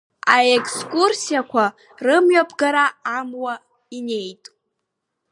Аекскурсиақәа рымҩаԥгара амуа инеит.